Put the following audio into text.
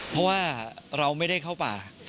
เพราะว่าเราไม่ได้เข้าป่า